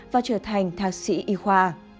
và trở thành thác sĩ y khoa